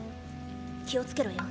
気をつけろよ。